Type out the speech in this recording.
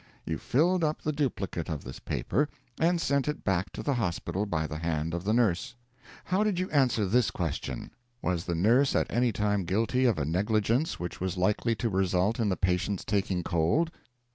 You filled up the duplicate of this paper, and sent it back to the hospital by the hand of the nurse. How did you answer this question 'Was the nurse at any time guilty of a negligence which was likely to result in the patient's taking cold?'